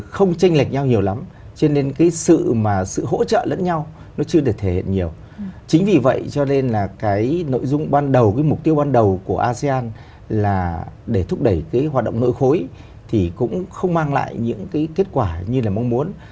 không tranh lệch nhau nhiều lắm cho nên cái sự mà sự hỗ trợ lẫn nhau nó chưa được thể hiện nhiều chính vì vậy cho nên là cái nội dung ban đầu cái mục tiêu ban đầu của asean là để thúc đẩy cái hoạt động nội khối thì cũng không mang lại những cái kết quả như là mong muốn